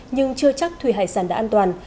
nhưng chưa chắc thủy hải sản đã an toàn